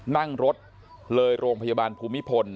นั่งรถเลยโรงพยาบาลภูมิพล